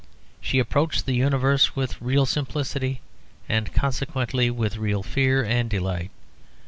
She approached the universe with real simplicity, and, consequently, with real fear and delight.